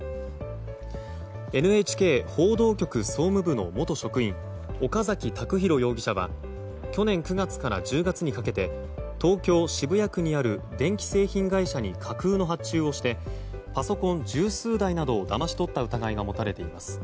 ＮＨＫ報道局総務部の元職員岡崎卓太容疑者は去年９月から１０月にかけて東京・渋谷区にある電気製品会社に架空の発注をしてパソコン十数台などをだまし取った疑いが持たれています。